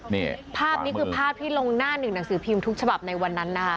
นี่ภาพนี้คือภาพที่ลงหน้าหนึ่งหนังสือพิมพ์ทุกฉบับในวันนั้นนะคะ